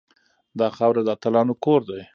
دا خاوره د اتلانو کور دی